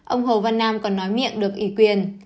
ông hồ văn nam còn nói miệng được ủy quyền